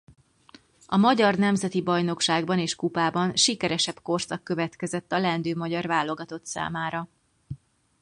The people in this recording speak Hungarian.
A magyar nemzeti bajnokságban és kupában sikeresebb korszak következett a leendő magyar válogatott számára.